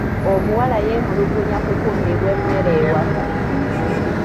Omuwala yeemulugunya ku kummibwa emmere ewaka.